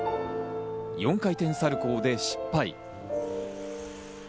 ４回転サルコーで失敗。